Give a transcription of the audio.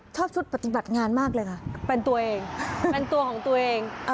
ชอบชุดปฏิบัติงานมากเลยค่ะเป็นตัวเองเป็นตัวของตัวเอง